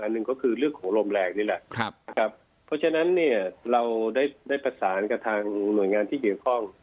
อันหนึ่งคือเลือกของลมแรงนี่แหละเพราะฉะนั้นเนี่ยเราได้ประสานกับทางหน่วยงานที่อยู่ข้อง